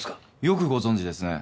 よくご存じですね